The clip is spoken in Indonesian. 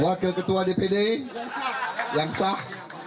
wakil ketua dpd yang sah